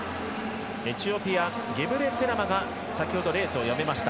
エチオピアの選手が先ほどレースをやめました。